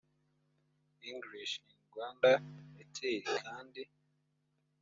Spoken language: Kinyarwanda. english in rwanda ater kandi